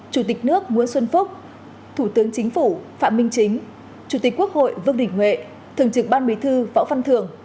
chủ tịch nước nguyễn xuân phúc thủ tướng chính phủ phạm minh chính chủ tịch quốc hội vương đình huệ thường trưởng ban bí thư phảo phan thường